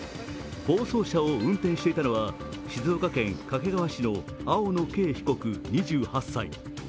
暴走車を運転していたのは静岡県掛川市の青野圭被告２８歳。